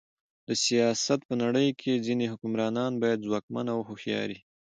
د سیاست په نړۍ کښي ځيني حکمرانان باید ځواکمن او هوښیار يي.